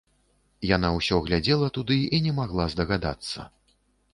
Яна ўсё глядзела туды і не магла здагадацца.